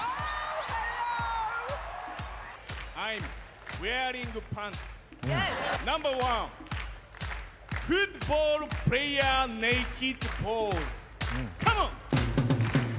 アイム・ウェアリング・パンツナンバーワン・フットボールプレーヤー・ネイキッドカモン！